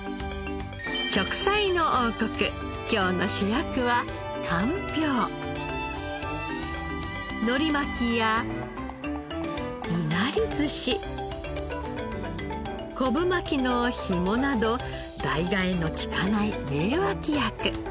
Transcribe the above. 『食彩の王国』今日の主役はのり巻きやいなり寿司昆布巻きのひもなど代替えの利かない名脇役。